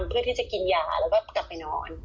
เพื่อที่จะกินยาแล้วก็กลับไปนอน